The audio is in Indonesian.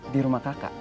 di rumah kakak